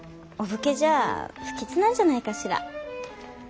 お武家じゃあ不吉なんじゃないかしら。